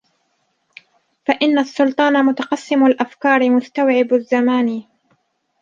فَإِنَّ السُّلْطَانَ مُتَقَسِّمُ الْأَفْكَارِ مُسْتَوْعِبُ الزَّمَانِ